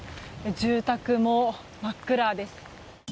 住宅も真っ暗です。